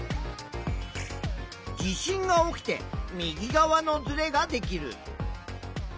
地震が起きて右側のずれができる。